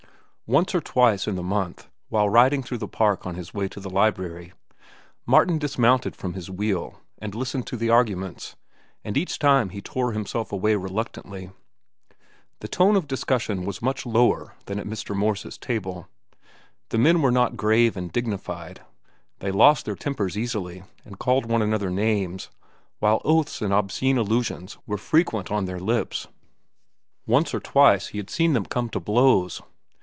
Once or twice in the month, while riding through the park on his way to the library, Martin dismounted from his wheel and listened to the arguments, and each time he tore himself away reluctantly. The tone of discussion was much lower than at Mr. Morse's table. The men were not grave and dignified. They lost their tempers easily and called one another names, while oaths and obscene allusions were frequent on their lips. Once or twice he had seen them come to blows.